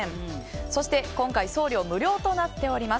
そして、今回送料無料となっております。